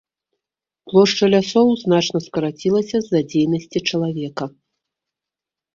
Плошча лясоў значна скарацілася з-за дзейнасці чалавека.